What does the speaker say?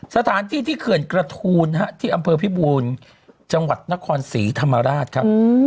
สถานที่ที่เขื่อนกระทูลที่อำเภอพิบูรณ์จังหวัดนครศรีธรรมราชครับ